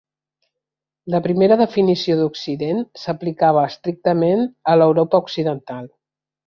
La primera definició d'Occident s'aplicava estrictament a l'Europa Occidental.